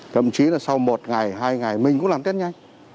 thậm chí là sau một ngày hai ngày mình cũng làm tết nhanh